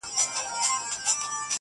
گراني بس څو ورځي لا پاته دي~